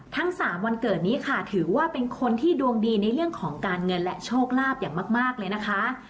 ทั้ง๓วันเกิดนี้ค่ะถือว่าเป็นคนที่ดวงดีในเรื่องของการเงินและโชคลาภอย่างมากเลยนะคะ